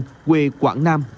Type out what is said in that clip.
công nhân quê quảng nam